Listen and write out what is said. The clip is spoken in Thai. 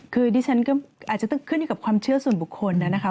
คือดิฉันก็อาจจะต้องขึ้นอยู่กับความเชื่อส่วนบุคคลนะคะ